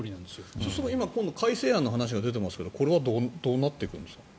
そうすると、今度改正案の話が出ていますがこれはどうなっていくんですか。